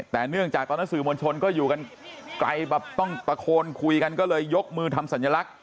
แต่เนื่องจากตอนนั้นสื่อมวลชนก็อยู่กันไกลแบบต้องตะโคนคุยกันก็เลยยกมือทำสัญลักษณ